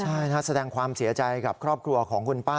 ใช่นะแสดงความเสียใจกับครอบครัวของคุณป้า